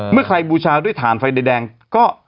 เมื่อใครบูชาด้วยฐานไฟแดงก็